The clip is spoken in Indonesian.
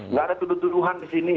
nggak ada tuduh tuduhan di sini